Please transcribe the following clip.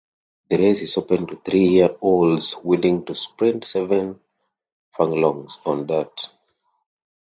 The race is open to three-year-olds willing to sprint seven furlongs on dirt.